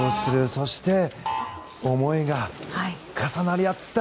そして思いが重なり合った。